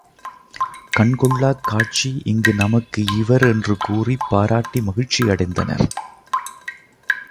கண் கொள்ளாக் காட்சி இங்கு நமக்கு இவர் என்று கூறிப் பாராட்டி மகிழ்ச்சி அடைந்தனர்.